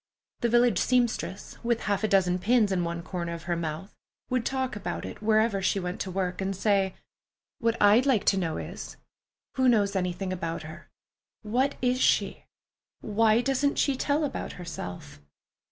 The village seamstress, with half a dozen pins in one corner of her mouth, would talk about it wherever she went to work, and say, "What I'd like to know is, who knows anything about her? What is she? Why doesn't she tell about herself?"